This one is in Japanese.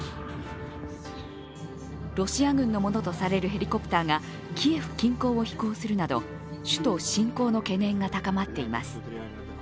ロシア軍のものとされるヘリコプターがキエフ近郊を飛行するなど首都侵攻の懸念が高まっています。